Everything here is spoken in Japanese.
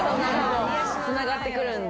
つながってくるんだ。